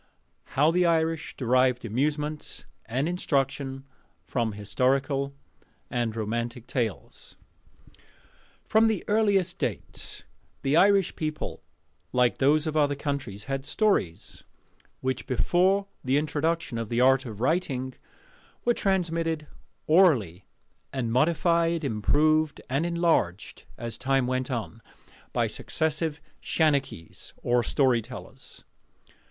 HOW THE IRISH DERIVED AMUSEMENT AND INSTRUCTION FROM HISTORICAL AND ROMANTIC TALES. From the earliest date, the Irish people, like those of other countries, had Stories, which, before the introduction of the art of writing, were transmitted orally, and modified, improved, and enlarged as time went on, by successive shanachies, or 'storytellers.